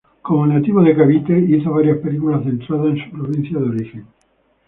Como nativo de Cavite, hizo varias películas centradas en su provincia de origen.